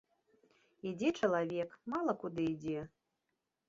Ідзе чалавек, мала куды ідзе.